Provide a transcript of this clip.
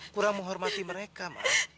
kurang menghormati mereka ma